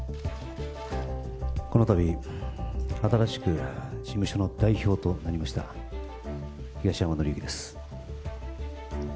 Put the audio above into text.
このたび、新しく事務所の代表となりました、東山紀之です。